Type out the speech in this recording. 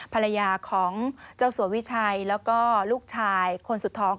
ภรรยาของเจ้าสัววิชัยแล้วก็ลูกชายคนสุดท้อง